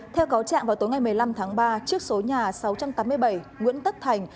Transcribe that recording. theo cáo trạng vào tối ngày một mươi năm tháng ba trước số nhà sáu trăm tám mươi bảy nguyễn tất thành